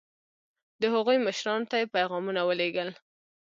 د هغوی مشرانو ته یې پیغامونه ولېږل.